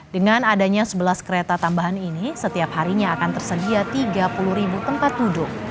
dengan adanya sebelas kereta tambahan ini setiap harinya akan tersedia tiga puluh ribu tempat duduk